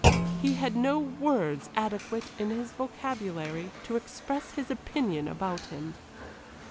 He had no words adequate in his vocabulary to express his opinion about him!